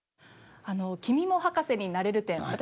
君も博士になれる展私